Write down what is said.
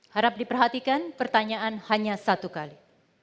harap diperhatikan pertanyaan hanya satu kali